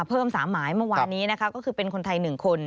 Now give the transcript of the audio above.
เพิ่ม๓หมายเมื่อวานนี้นะคะก็คือเป็นคนไทย๑คน